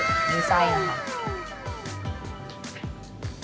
มีไส้นะคะ